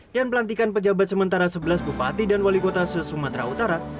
pelantikan pejabat sementara sebelas bupati dan wali kota se sumatera utara